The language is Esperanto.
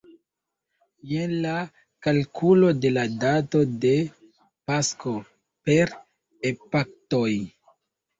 Jen la kalkulo de la dato de Pasko per epaktoj.